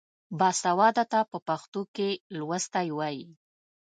باسواده ته په پښتو کې لوستی وايي.